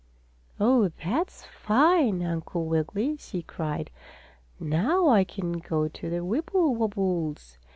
"Oh, that's fine, Uncle Wiggily!" she cried. "Now I can go to the Wibblewobbles!"